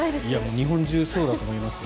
日本中そうだと思いますよ。